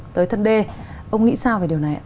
tới thân đê ông nghĩ sao về điều này ạ